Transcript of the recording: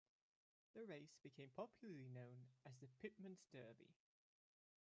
The race became popularly known as the "Pitmen's Derby".